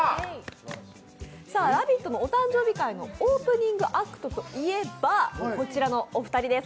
「ラヴィット！」のお誕生日会のオープニングアクトといえば、こちらのお二人です。